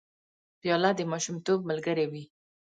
پیاله د ماشومتوب ملګرې وي.